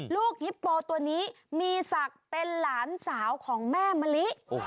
ฮิปโปตัวนี้มีศักดิ์เป็นหลานสาวของแม่มะลิ